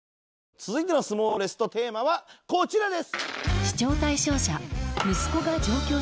続いてのスモーレストテーマはこちらです！